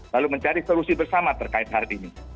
lalu mencari solusi bersama terkait hal ini